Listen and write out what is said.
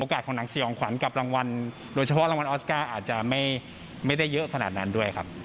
หนังสือของขวัญกับรางวัลโดยเฉพาะรางวัลออสการ์อาจจะไม่ได้เยอะขนาดนั้นด้วยครับ